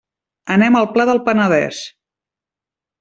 Anem al Pla del Penedès.